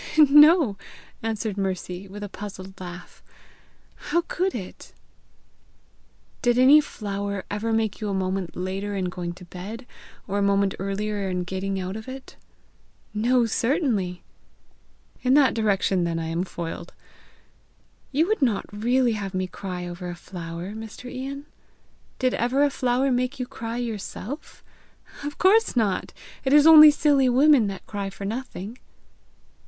"No," answered Mercy, with a puzzled laugh; "how could it?" "Did any flower ever make you a moment later in going to bed, or a moment earlier in getting out of it?" "No, certainly!" "In that direction, then, I am foiled!" "You would not really have me cry over a flower, Mr. Ian? Did ever a flower make you cry yourself? Of course not! it is only silly women that cry for nothing!"